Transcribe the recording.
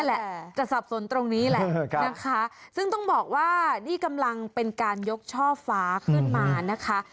แหละจะสับสนตรงนี้แหละนะคะซึ่งต้องบอกว่านี่กำลังเป็นการยกช่อฟ้าขึ้นมานะคะ